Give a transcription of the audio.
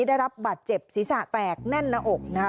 ได้รับบาดเจ็บศีรษะแตกแน่นหน้าอกนะคะ